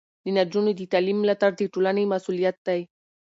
د نجونو د تعلیم ملاتړ د ټولنې مسؤلیت دی.